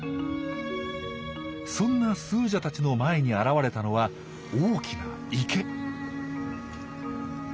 そんなスージャたちの前に現れたのは大きな池。